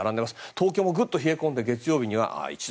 東京もぐっと冷え込んで月曜日には１度。